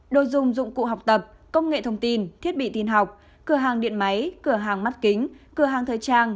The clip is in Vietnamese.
đồ dùng dụng cụ học tập công nghệ thông tin thiết bị tin học cửa hàng điện máy cửa hàng mắt kính cửa hàng thời trang